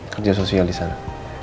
kerja sosial disana